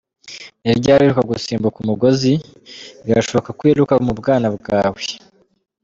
Ni ryari uheruka gusimbuka umugozi? Birashoboka ko ubiheruka mu bwana bwawe.